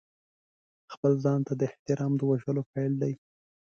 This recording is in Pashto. خپل ځان ته د احترام د وژلو پیل دی.